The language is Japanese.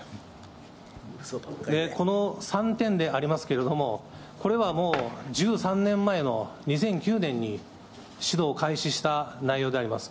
この３点でありますけれども、これはもう、１３年前の２００９年に指導を開始した内容であります。